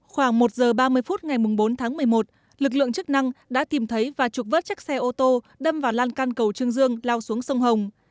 khoảng một giờ ba mươi phút ngày bốn tháng một mươi một lực lượng chức năng đã tìm thấy và trục vớt chiếc xe ô tô đâm vào lan can cầu trương dương lao xuống sông hồng